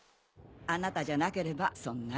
あなたじゃなければそんな。